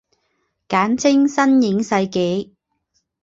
简称新影世纪。